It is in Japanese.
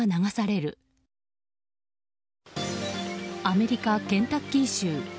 アメリカ・ケンタッキー州。